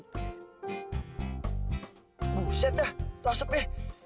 buset dah tuh asapnya